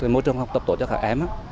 môi trường học tập tốt cho các em